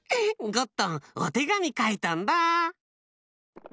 ゴットンおてがみかいたんだ。